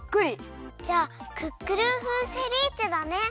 じゃあクックルン風セビーチェだね。